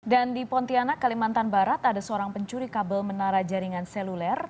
dan di pontianak kalimantan barat ada seorang pencuri kabel menara jaringan seluler